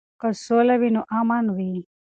که سوله وي نو امان وي.